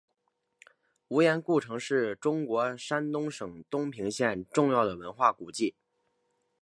无盐故城是中国山东省东平县重要的文化古迹。